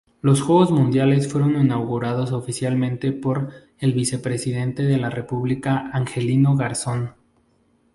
Los Juegos Mundiales fueron inaugurados oficialmente por el Vicepresidente de la República Angelino Garzón.